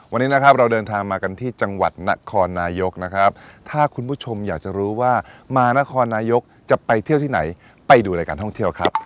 วันนี้นะครับเราเดินทางมากันที่จังหวัดนครนายกนะครับถ้าคุณผู้ชมอยากจะรู้ว่ามานครนายกจะไปเที่ยวที่ไหนไปดูรายการท่องเที่ยวครับ